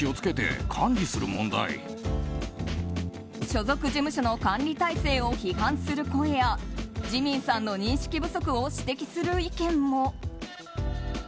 所属事務所の管理体制を批判する声やジミンさんの認識不足を指摘する意見も。